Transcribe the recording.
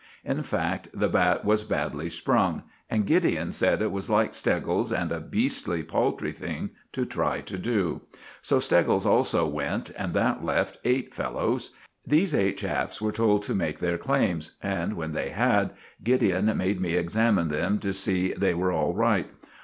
In fact, the bat was badly sprung; and Gideon said it was like Steggles, and a beastly, paltry thing to try to do. So Steggles also went, and that left eight fellows. These eight chaps were told to make their claims, and when they had, Gideon made me examine them to see they were all right.